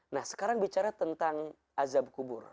nah sekarang bicara tentang azab kubur